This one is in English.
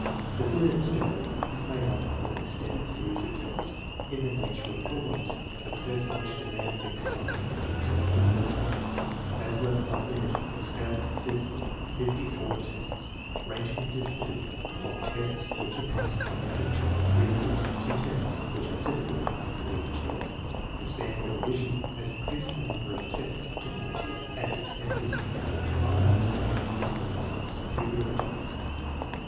The Binet scale is made up of an extended series of tests in the nature of problems, success in which de mands the exercise of the intellectual processes. As left by Binet, the scale consisted of fifty four tests, ranging in difficulty from tests which are passed by the average child of three years, to tests which are difficult enough for the average adult. The Stanford Revision has increased the number of tests to ninety and has extended the scale far enough to measure the intelli gence of superior adults.